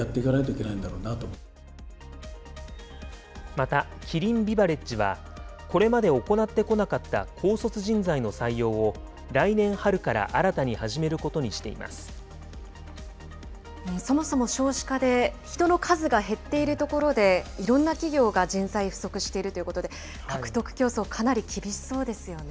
また、キリンビバレッジは、これまで行ってこなかった高卒人材の採用を来年春から新たに始めそもそも少子化で、人の数が減っているところでいろんな企業が人材不足しているということで、獲得競争、かなり厳しそうですよね。